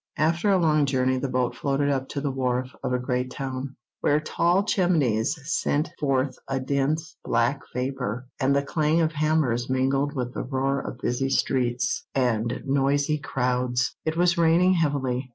After a long journey the boat floated up to the wharf of a great town, where tall chimneys sent forth a dense, black vapour, and the clang of hammers mingled with the roar of busy streets and noisy crowds. It was raining heavily.